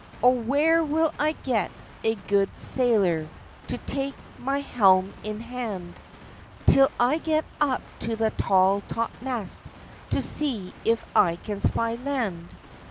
"O where will I get a gude sailor, To take my helm in hand, Till I get up to the tall top mast; To see if I can spy land?"